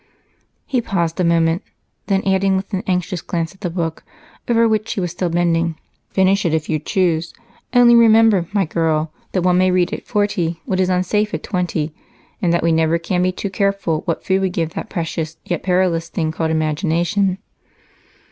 He paused a moment, then added with an anxious glance at the book, over which she was still bending, "Finish it if you choose only remember, my girl, that one may read at forty what is unsafe at twenty, and that we never can be too careful what food we give that precious yet perilous thing called imagination."